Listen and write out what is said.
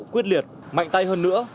quyết liệt mạnh tay hơn nữa